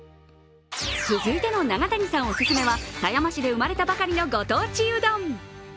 続いての永谷さんおすすめは狭山市で生まれたばかりのご当地うどん。